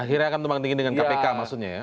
akhirnya akan dipanggil dengan kpk maksudnya ya